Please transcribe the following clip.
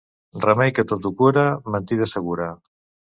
Remei que tot ho cura, mentida segura.